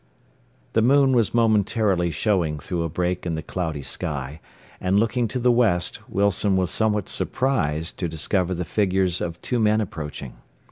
The moon was momentarily showing through a break in the cloudy sky, and looking to the west, Wilson was somewhat surprised to discover the figures of two men approaching.